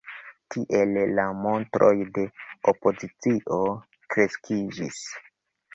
Tiele la montroj de opozicio kreskiĝis.